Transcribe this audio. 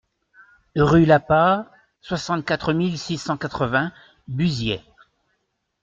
Rue Lapas, soixante-quatre mille six cent quatre-vingts Buziet